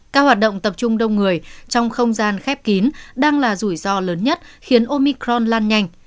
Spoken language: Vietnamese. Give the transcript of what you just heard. các hoạt động tập trung đông người trong không gian khép kín đang là rủi ro lớn nhất khiến omicron lan nhanh